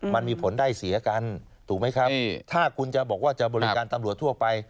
มันมีผลได้เสียกันถูกไหมครับถ้าคุณจะบอกว่าจะบริการตำรวจทั่วไป